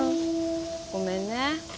ごめんね。